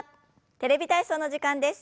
「テレビ体操」の時間です。